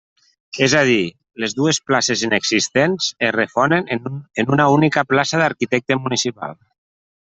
És a dir, les dues places existents es refonen en una única plaça d'arquitecte municipal.